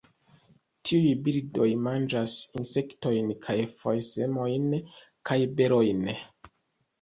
Tiuj birdoj manĝas insektojn kaj foje semojn kaj berojn.